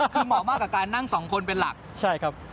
คือเหมาะมากกับการนั่งสองคนเป็นหลักใช่ครับ